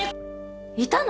いたの！？